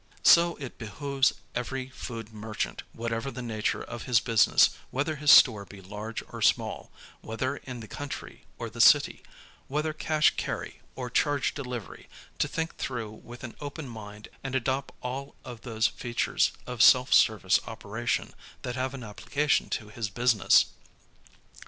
So it behooves every food merchant whatever the nature of his busi ness whether his store be large or small, whether in the country or the 6 SELF SERVICE FOOD STORES city, whether cash carry or charge delivery to think through with an open mind and adopt all of those features of self service operation that have an application to his business.